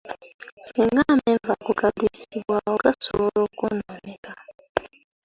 Singa amenvu ago galwisibwawo, gasobola okwonooneka.